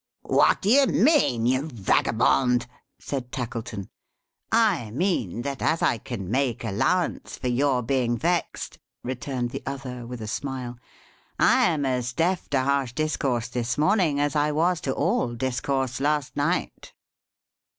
"What do you mean, you vagabond?" said Tackleton. "I mean, that as I can make allowance for your being vexed," returned the other, with a smile, "I am as deaf to harsh discourse this morning, as I was to all discourse last night."